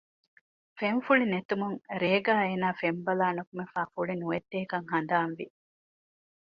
ފެންފުޅި ނެތުމުން ރޭގައި އޭނާ ފެން ބަލައި ނުކުމެފައި ފުޅި ނުވެއްދޭކަން ހަނދާންވި